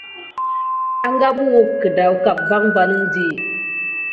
Anga mu wukdi an depeydi kunosouk silà ba.